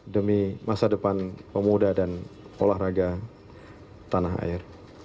demi masa depan pemuda dan olahraga tanah air